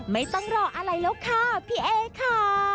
ไม่ต้องรออะไรแล้วค่ะพี่เอค่ะ